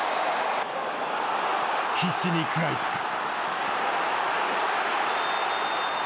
必死に食らいつく。